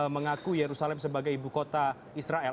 mengaku yerusalem sebagai ibu kota israel